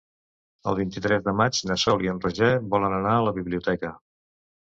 El vint-i-tres de maig na Sol i en Roger volen anar a la biblioteca.